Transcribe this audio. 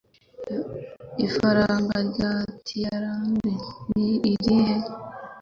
Ifaranga rya Tayilande ni irihe